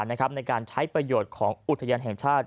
ในการใช้ประโยชน์ของอุทยานแห่งชาติ